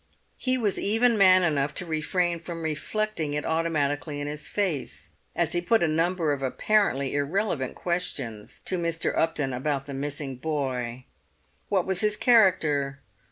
He was even man enough to refrain from reflecting it automatically in his face, as he put a number of apparently irrelevant questions to Mr. Upton about the missing boy. What was his character?